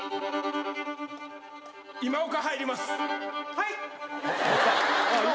はい！